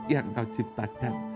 yang kau ciptakan